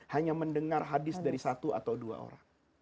hanya mendengar hadis dari satu atau dua orang